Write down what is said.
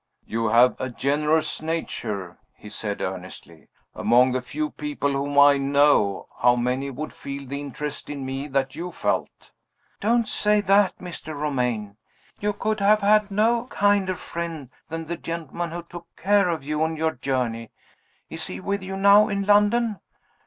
"You have a generous nature," he said earnestly. "Among the few people whom I know, how many would feel the interest in me that you felt?" "Don't say that, Mr. Romayne! You could have had no kinder friend than the gentleman who took care of you on your journey. Is he with you now in London?"